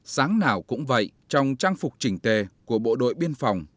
sáng nào cũng vậy trong trang phục chỉnh tề của bộ đội biên phòng